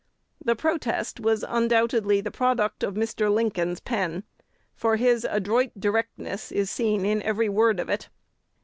The protest was undoubtedly the product of Mr. Lincoln's pen, for his adroit directness is seen in every word of it.